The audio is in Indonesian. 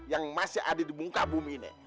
yang masih ada di muka bumi ini